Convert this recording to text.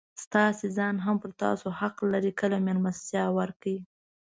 ستاسي ځان هم پر تاسو حق لري؛ کله مېلمستیا ورکوئ!